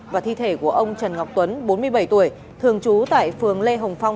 và thi thể của ông trần ngọc tuấn bốn mươi bảy tuổi thường trú tại phường lê hồng phong